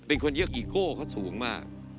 เป็นคนเยอะอีโก้เขาสูงมาก